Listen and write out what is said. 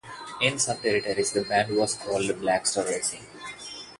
In some territories the band was called Blackstar Rising.